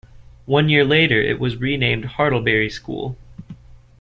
One year later, it was renamed "Hartlebury School".